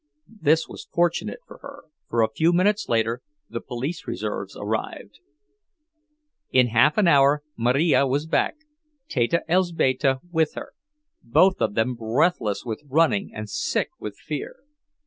This was fortunate for her, for a few minutes later the police reserves arrived. In half an hour Marija was back, Teta Elzbieta with her, both of them breathless with running and sick with fear.